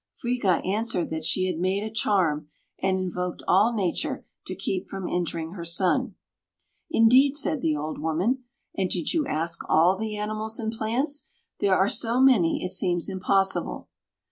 Friga answered that she had made a charm and invoked all nature to keep from injuring her son. "Indeed," said the old woman, "and did you ask all the animals and plants? There are so many, it seems impossible."